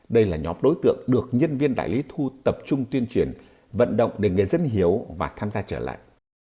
đây là nhóm đối tượng được nhân viên đại lý thu tập trung tuyên truyền vận động để người dân hiểu và tham gia trở lại